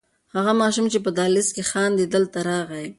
هغه ماشوم چې په دهلېز کې خاندي دلته راغی.